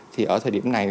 thì ở thời điểm này